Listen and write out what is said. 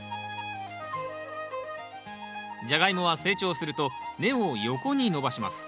ジャガイモは成長すると根を横に伸ばします。